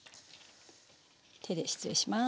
手で失礼します。